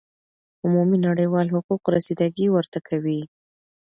عمومی نړیوال حقوق رسیده ګی ورته کوی